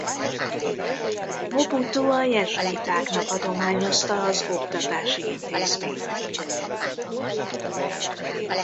Mobutu a jezsuitáknak adományozta az oktatási intézményt.